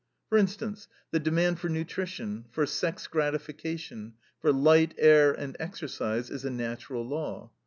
For instance, the demand for nutrition, for sex gratification, for light, air, and exercise, is a natural law.